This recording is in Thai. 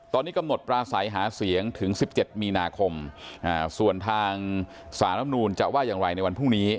ตอนนี้กำหนดปราศัยหาเสียงถึง๑๗มีนาคมส่วนทางสารมนูนจะว่าอย่างไรในวันพรุ่งนี้